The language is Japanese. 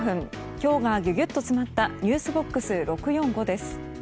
今日がギュギュッと詰まったｎｅｗｓＢＯＸ６４５です。